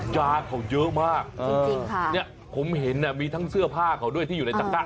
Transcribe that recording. ยาเขาเยอะมากจริงเนี่ยผมเห็นมีทั้งเสื้อผ้าเขาด้วยที่อยู่ในตักก้า